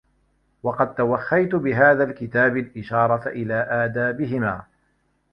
وَقَدْ تَوَخَّيْت بِهَذَا الْكِتَابِ الْإِشَارَةَ إلَى آدَابِهِمَا